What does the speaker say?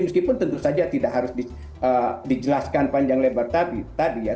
meskipun tentu saja tidak harus dijelaskan panjang lebar tadi ya